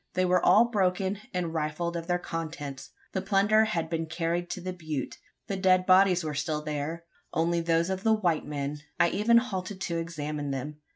They were all broken, and rifled of their contents. The plunder had been carried to the butte. The dead bodies were still there only those of the white men. I even halted to examine them.